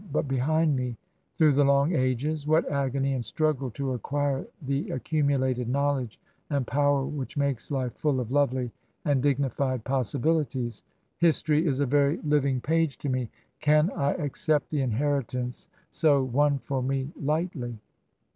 But behind me — through the long ages — what agony and struggle to acquire the accumulated knowledge and power which makes life full of lovely and dignified pos sibilities ! History is a very living page to me. Can I accept the inheritance so won for me lightly